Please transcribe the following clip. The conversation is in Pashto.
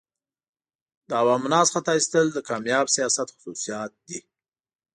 د عوام الناس خطا ایستل د کامیاب سیاست خصوصیات دي.